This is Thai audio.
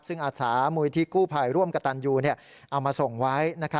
ซึ่งอาสามูลที่กู้ภัยร่วมกับตันยูเอามาส่งไว้